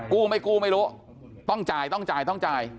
กู้ไม่กู้ไม่รู้ต้องจ่ายต้องจ่ายต้องจ่าย